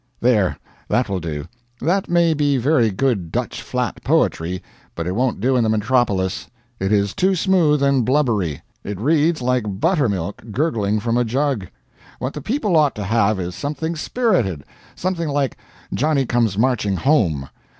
There, that will do. That may be very good Dutch Flat poetry, but it won't do in the metropolis. It is too smooth and blubbery; it reads like buttermilk gurgling from a jug. What the people ought to have is something spirited something like "Johnny Comes Marching Home."